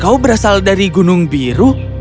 kau berasal dari gunung biru